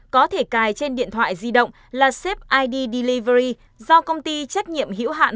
có thể cài trên điện thoại di động là sep id delivery do công ty trách nhiệm hiểu hạn